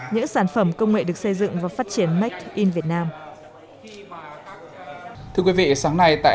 những sản phẩm công nghệ được xây dựng và phát triển make in việt nam